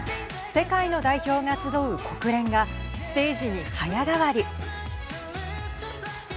世界の代表が集う国連がステージに早変わり。